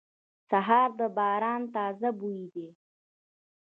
سهار د باران تازه بوی دی.